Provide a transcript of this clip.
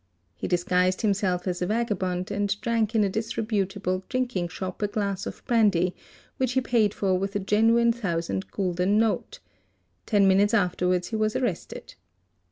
He disguised himself as a vagabond and drank in a disreputable drinking shop a glass of brandy which he paid for with a genuine thousand gulden note; ten minutes afterwards he was arrested.